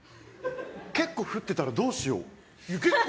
結構降ってたらどうしよう。